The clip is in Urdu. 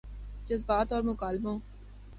جذبات اور مکالموں